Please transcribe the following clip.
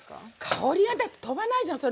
香りがだって飛ばないじゃん